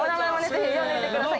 ぜひ呼んでみてください。